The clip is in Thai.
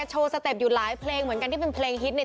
จึงเธอข้างนี้ไม่มีใครใหม่